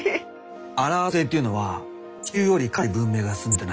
アラート星っていうのは地球よりかなり文明が進んでてな。